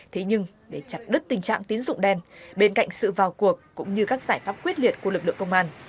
thế nhưng để chặt đứt tình trạng tín dụng đen bên cạnh sự vào cuộc cũng như các giải pháp quyết liệt của lực lượng công an